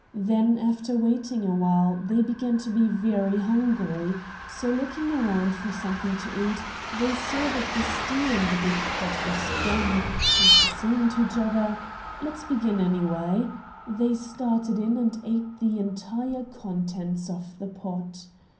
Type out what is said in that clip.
Then, after waiting a while, they began to be very hungry; so, looking around for something to eat, they saw that the stew in the big pot was done, and, saying to each other, "Let's begin, anyway," they started in and ate the entire contents of the pot.